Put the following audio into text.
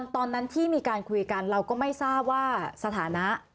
ตอนนั้นที่มีการคุยกันเราก็ไม่ทราบว่าสถานะ